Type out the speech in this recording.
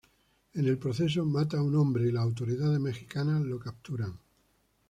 En el proceso, mata a un hombre y las autoridades mexicanas lo capturan.